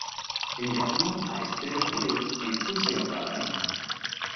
Encarnó a Esther Field en "Who's Your Brother?